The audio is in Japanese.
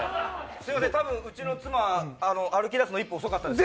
すみません、多分うちの妻、歩き出すの一歩遅かったです。